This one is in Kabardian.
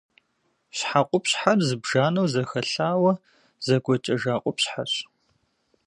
Щхьэ къупщхьэр зыбжанэу зэхэлъауэ, зэгуэкӏэжа къупщхьэщ.